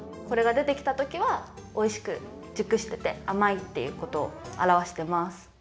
これがでてきたときはおいしくじゅくしててあまいっていうことをあらわしてます。